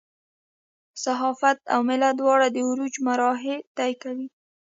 صحافت او ملت دواړه د عروج مراحل طی کوي.